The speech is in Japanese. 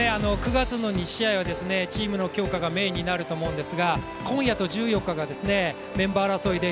９月の２試合はチームの強化がメーンになると思うんですが、今夜と１４日が、メンバー争いで、。